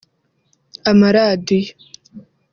Amaradiyo